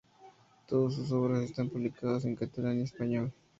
Todas sus obras están publicadas en catalán y español.